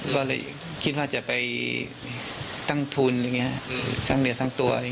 ก็เลยคิดว่าจะไปตั้งทุนสร้างเหลือสร้างตัว